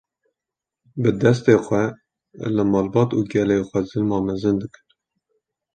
bi destê xwe li malbat û gelê xwe zilma mezin dikin